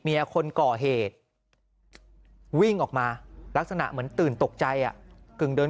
คนก่อเหตุวิ่งออกมาลักษณะเหมือนตื่นตกใจอ่ะกึ่งเดิน